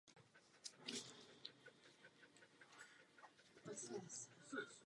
Z toho důvodu potřebujeme tento přechodný cíl.